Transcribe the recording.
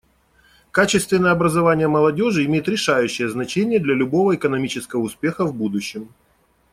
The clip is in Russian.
Качественное образование молодежи имеет решающее значение для любого экономического успеха в будущем.